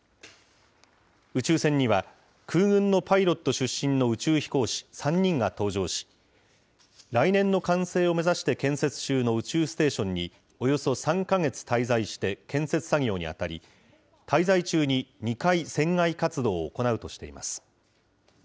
宇宙船には空軍のパイロット出身の宇宙飛行士３人が搭乗し、来年の完成を目指して建設中の宇宙ステーションに、およそ３か月滞在して建設作業に当たり、滞在中に２回、船外活動を行うとしています。